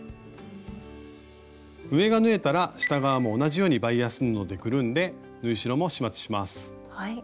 上が縫えたら下側も同じようにバイアス布でくるんで縫い代も始末します。